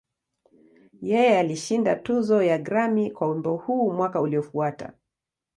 Yeye alishinda tuzo ya Grammy kwa wimbo huu mwaka uliofuata.